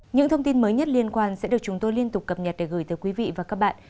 những thông tin mới nhất liên quan sẽ được chúng tôi liên tục cập nhật để gửi tới quý vị và các bạn